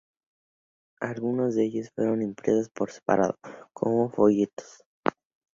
Algunos de ellos fueron impresos, por separado, como folletos.